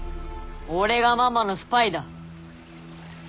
俺がママのスパイだ。